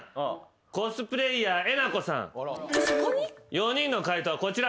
４人の解答はこちら。